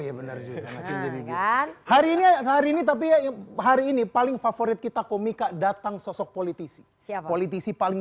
hari ini hari ini tapi hari ini paling favorit kita komika datang sosok politisi politisi paling